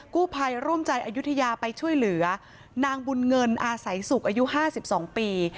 กู้ภัยร่วมใจอายุทยาไปช่วยเหลือนางบุญเงินอาศัยสุขอายุ๕๒ปี